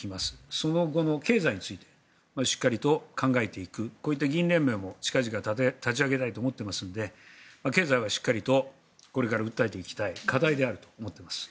その後の経済についてしっかりと考えていくこういった議員連盟も近々立ち上げたいと思っていますので経済はしっかりとこれから訴えていきたい課題であると思っています。